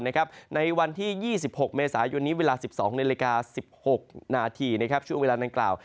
ในวันที่๒๖เมษายนนี้เวลา๑๒นาฬิกา๑๖นาทีช่วงเวลาดังกล่าว